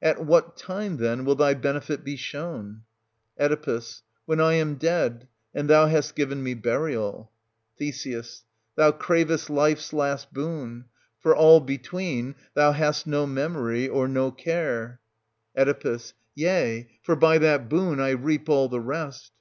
At what time, then, will thy benefit be shown.? Oe. When I am dead, and thou hast given me burial. Th. Thou cravest life's last boon ; for all between thou hast no memory, — or no care. Oe. Yea, for by that boon I reap all the rest.